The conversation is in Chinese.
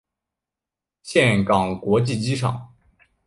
岘港国际机场。